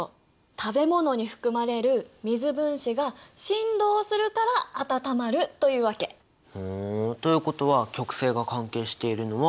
食べ物に含まれる水分子が振動するから温まるというわけ。ということは極性が関係しているのは①。